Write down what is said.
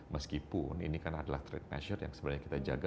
meskipun ini kan adalah trade measure yang sebenarnya kita jaga